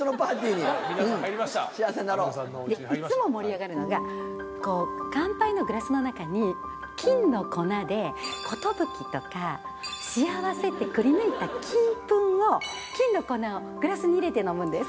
でいつも盛り上がるのが乾杯のグラスの中に金の粉で。ってくりぬいた金粉を金の粉をグラスに入れて飲むんです。